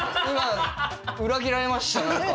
今裏切られました何か。